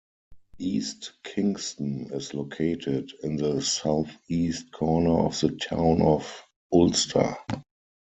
East Kingston is located in the southeast corner of the Town of Ulster.